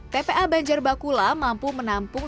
tpa banjar bakula mampu menampung